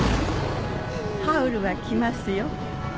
ハウルは来ますよ。